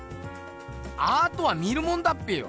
アートは見るもんだっぺよ！